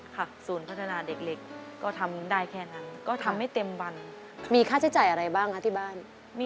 ฮัทรณาก็ทำได้แค่นั้นก็ทำให้เต็มบัน